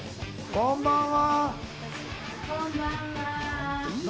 こんばんは。